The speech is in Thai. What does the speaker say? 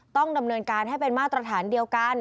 ต้องดำเนินการให้เป็นมาตรฐานเดียวกัน